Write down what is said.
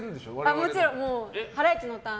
もちろん「ハライチのターン！」